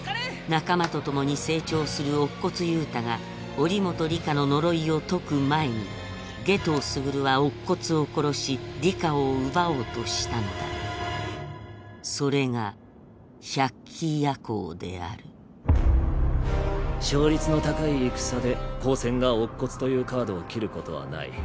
仲間と共に成長する乙骨憂太が祈本里香の呪いを解く前に夏油傑は乙骨を殺し里香を奪おうとしたのだそれが百鬼夜行である勝率の高い戦で高専が乙骨というカードを切ることはない。